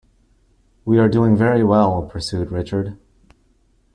"We are doing very well," pursued Richard.